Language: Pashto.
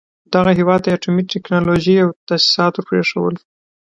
دغه هېواد ته يې اټومي ټکنالوژۍ او تاسيسات ور پرېښول.